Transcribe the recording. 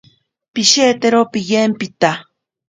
Pishetero piyempita.